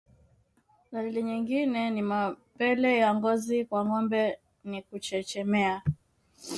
Dalili nyingine ya mapele ya ngozi kwa ngombe ni kuchechemea